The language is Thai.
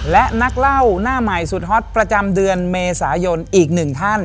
และนักเล่าหน้าใหม่สุดฮอตประจำเดือนเมษายนอีกหนึ่งท่าน